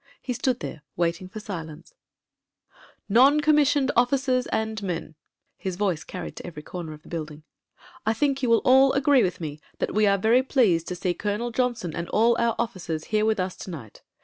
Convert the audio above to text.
He stood there, waiting for silence. a6o MEN, WOMEN AND GUNS "Non commissioned officers and men" — his voice carried to every comer of the building — ^I think you will all agree with me that we are very pleased to see Colonel Johnson and all our officers here with us to night.